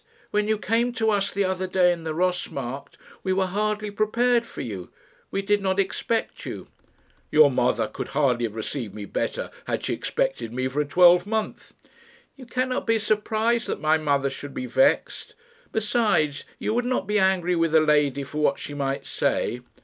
When you came to us the other day in the Ross Markt, we were hardly prepared for you. We did not expect you." "Your mother could hardly have received me better had she expected me for a twelvemonth." "You cannot be surprised that my mother should be vexed. Besides, you would not be angry with a lady for what she might say."